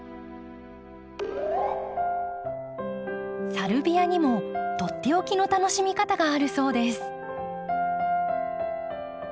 サルビアにもとっておきの楽しみ方があるそうです。